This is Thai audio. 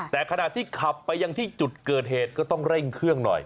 แต่ขณะที่ขับไปยังที่จุดเกิดเหตุก็ต้องเร่งเครื่องหน่อย